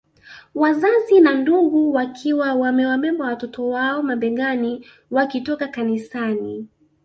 Wazazi na ndugu wakiwa wamewabeba watoto wao mabegani wakitoka kanisani